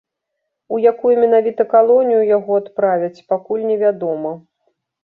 У якую менавіта калонію яго адправяць, пакуль не вядома.